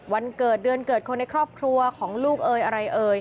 วันเกิดเดือนเกิดคนในครอบครัวของลูกอะไร